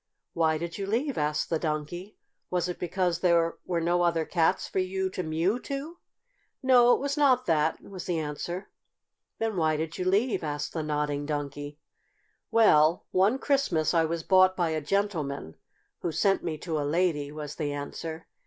"Why did you leave?" asked the Donkey. "Was it because there were no other cats there for you to mew to?" "No, it was not that," was the answer. "Then why did you leave?" asked the Nodding Donkey. "Well, one Christmas I was bought by a gentleman who sent me to a lady," was the answer.